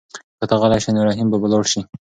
که ته غلی شې نو رحیم به لاړ شي.